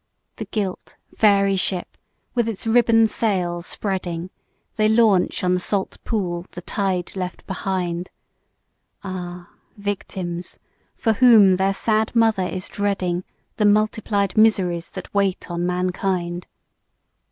The gilt, fairy ship, with its ribbon sail spreading, They launch on the salt pool the tide left behind; Ah! victims for whom their sad mother is dreading The multiplied miseries that wait on mankind!